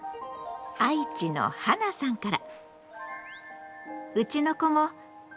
愛知のはなさんから。